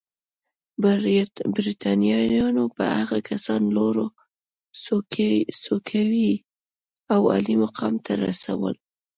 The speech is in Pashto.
برېټانویانو به هغه کسان لوړو څوکیو او عالي مقام ته رسول.